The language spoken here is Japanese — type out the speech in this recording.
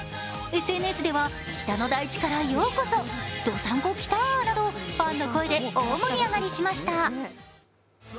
ＳＮＳでは北の大地からようこそ、どさんこキタ！などファンの声で大盛り上がりしました。